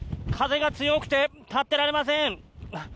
風が強くて、立ってられません。